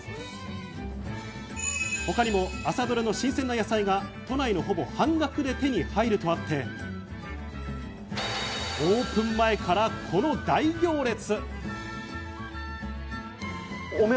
他にも朝採れの新鮮な野菜が都内のほぼ半額で手に入るとあって、オープン前からこの大行列。